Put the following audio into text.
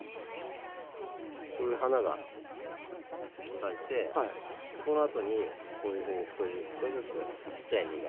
こういう花が咲いてこのあとにこういうふうに少しずつ少しずつちっちゃい実が。